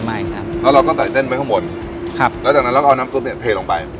ไม่ครับแล้วเราก็ใส่เส้นไว้ข้างบนครับแล้วจากนั้นเราก็เอาน้ำซุปเนี้ยเทลงไป